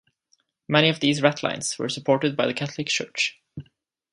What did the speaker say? Many of these ratlines were supported by the Catholic Church.